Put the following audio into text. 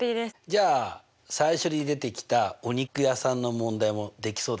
じゃあ最初に出てきたお肉屋さんの問題もできそうだね。